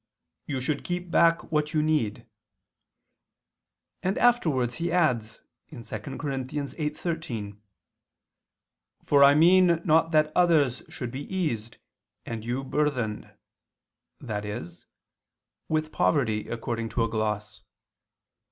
"you should keep back what you need," and afterwards he adds (2 Cor. 8:13): "For I mean not that others should be eased, and you burthened," i.e. "with poverty," according to a gloss.